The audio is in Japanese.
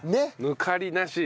抜かりなし。